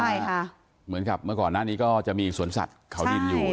ใช่ค่ะเหมือนกับเมื่อก่อนหน้านี้ก็จะมีสวนสัตว์เขาดินอยู่